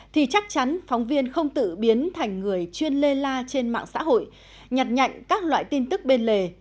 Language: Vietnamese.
thì chắc chắn phóng viên không tự biến thành người chuyên lê la trên mạng xã hội nhặt nhạnh các loại tin tức bên lề